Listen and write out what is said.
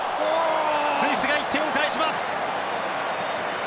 スイスが１点を返します。